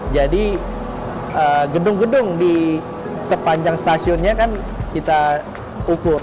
jadi gedung gedung di sepanjang stasiunnya kami ukur